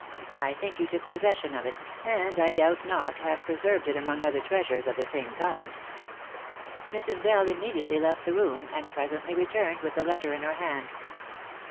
I think you took possession 328 THE LIFE AND ADVENTURES of it, and I doubt not have preserved it among other treasures of the same kind." Mrs. Bell immediately left the room, and presently returned with the letter in her hand.